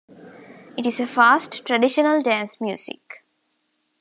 It is a fast, traditional dance music.